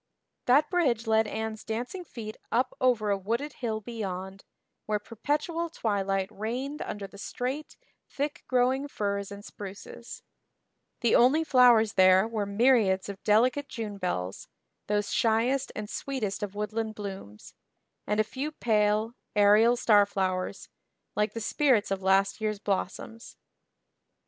That bridge led Anne's dancing feet up over a wooded hill beyond, where perpetual twilight reigned under the straight, thick growing firs and spruces; the only flowers there were myriads of delicate "June bells," those shyest and sweetest of woodland blooms, and a few pale, aerial starflowers, like the spirits of last year's blossoms.